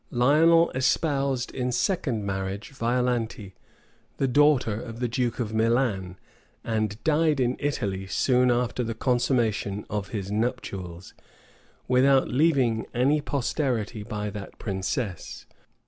Lionel espoused in second marriage Violante, the daughter of the duke of Milan,[*] and died in Italy soon after the consummation of his nuptials, without leaving any posterity by that princess.